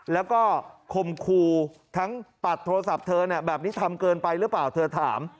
แล้วก็คมครูทั้งปัดโทรศัพท์เธอแบบนี้ทำเกินไปหรือเปล่าเธอถาม